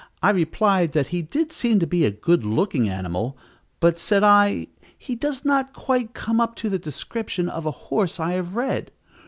I replied that he did seem to be a good looking animal; but, said I, "he does not quite come up to the description of a horse I have read."